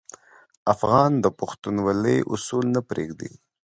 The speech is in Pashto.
افغان د پښتونولي اصول نه پرېږدي.